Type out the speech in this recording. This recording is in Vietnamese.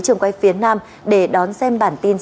trường quay phía nam để đón xem bản tin